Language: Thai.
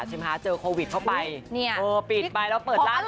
ใช่ไหมคะเจอโควิดเข้าไปปิดไปแล้วเปิดร้าน